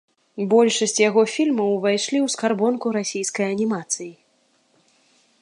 Большасць яго фільмаў увайшлі ў скарбонку расійскай анімацыі.